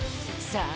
さあ。